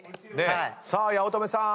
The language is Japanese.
さあ八乙女さん